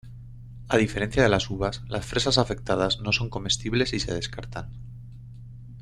A diferencia de las uvas, las fresas afectadas no son comestibles y se descartan.